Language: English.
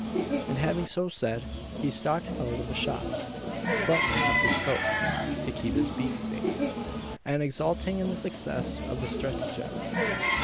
And having so said, he stalked out of the shop, buttoning up his coat (to keep his beef safe), and exulting in the success of his stratagem.